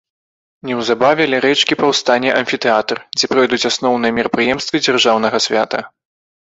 Неўзабаве ля рэчкі паўстане амфітэатр, дзе пройдуць асноўныя мерапрыемствы дзяржаўнага свята.